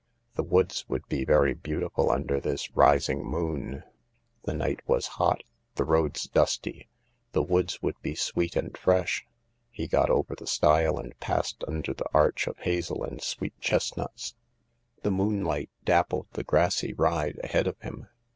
The woods would be very beautiful under this rising moon. The night was hot, the roads dusty ; the woods would be sweet and fresh. He got over the stile and passed under the arch of hazel and sweet chestnuts. The moonlight dappled the grassy ride ahead of him.